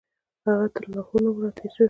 هغه تر لاهور نه وو راتېر شوی.